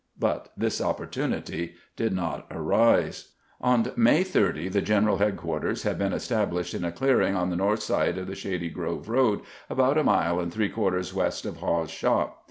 But this opportunity did not arise. On May 30 the general headquarters had been estab lished in a clearing on the north side of the Shady G rove road, about a mile and three quarters west of Haw's Shop.